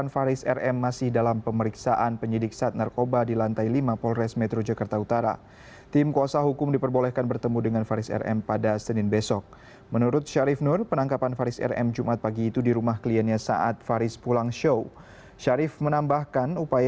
faris rm bersama dua orang pelaku lain dijeratkan